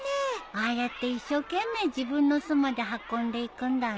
ああやって一生懸命自分の巣まで運んでいくんだね。